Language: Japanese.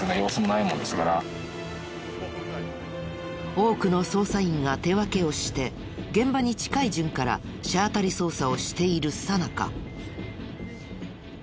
多くの捜査員が手分けをして現場に近い順から車当たり捜査をしているさなか。